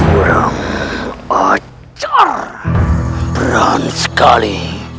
seorang yang sangat berani